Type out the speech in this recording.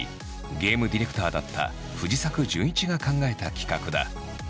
ゲームディレクターだった藤咲淳一が考えた企画だ。